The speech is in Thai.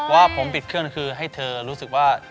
ว่าผมปิดเครื่องคือให้เธอรู้สึกว่า